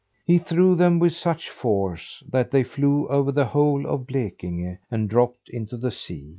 He threw them with such force that they flew over the whole of Blekinge and dropped into the sea.